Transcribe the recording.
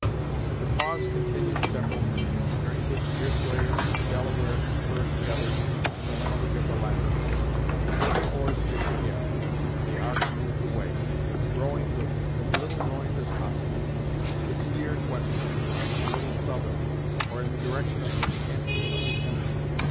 The pause continued several minutes, during which Deerslayer and the Delaware conferred together in the language of the latter. Then the oars dipped, again, and the Ark moved away, rowing with as little noise as possible. It steered westward, a little southerly, or in the direction of the encampment of the enemy.